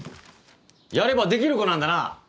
やれば出来る子なんだな。